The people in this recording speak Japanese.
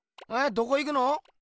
どこ行くの？